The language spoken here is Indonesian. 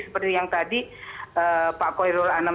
seperti yang tadi pak koirul anam